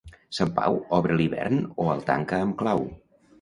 Sant Pau obre l'hivern o el tanca amb clau.